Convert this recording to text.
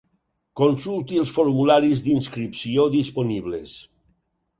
Consulti els formularis d'inscripció disponibles.